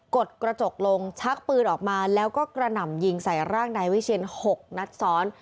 ดกระจกลงชักปืนออกมาแล้วก็กระหน่ำยิงใส่ร่างนายวิเชียน๖นัดซ้อน